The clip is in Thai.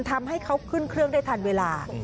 ทำให้เขาขึ้นเครื่องได้ทันเวลา